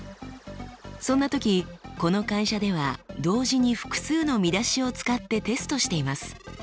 そんな時この会社では同時に複数の見出しを使ってテストしています。